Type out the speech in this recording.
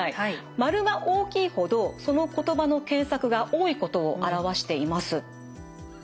円が大きいほどその言葉の検索が多いことを表しています。